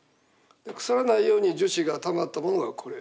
腐らないように樹脂がたまったものがこれです。